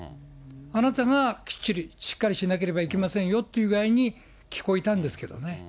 あなたがきっちりしっかりしなければいけませんよっていう具合に聞こえたんですけどね。